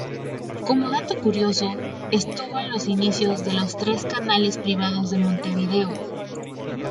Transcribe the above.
Como dato curioso: estuvo en los inicios de los tres canales privados de Montevideo.